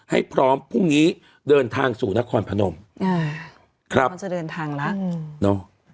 ให้พร้อมพรุ่งนี้เดินทางสู่คอร์พนมครับจะเดินทางละนู่น